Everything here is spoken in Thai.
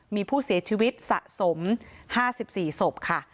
มีผู้เสียชีวิตสะสม๕๔ศพค่ะ